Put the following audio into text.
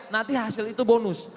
nanti hasil itu bonus